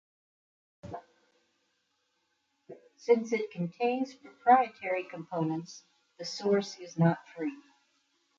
Since it contains proprietary components, the source is not free.